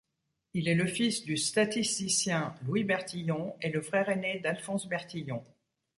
Il est le fils du statisticien Louis Bertillon et le frère aîné d'Alphonse Bertillon.